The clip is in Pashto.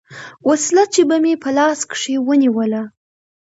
وسله چې به مې په لاس کښې ونېوله.